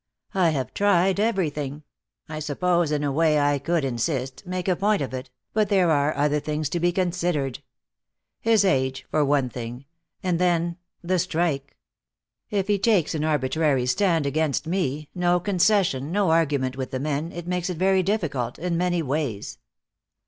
"I have tried everything. I suppose, in a way, I could insist, make a point of it, but there are other things to be considered. His age, for one thing, and then the strike. If he takes an arbitrary stand against me, no concession, no argument with the men, it makes it very difficult, in many ways."